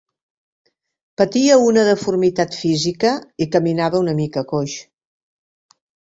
Patia una deformitat física, i caminava una mica coix.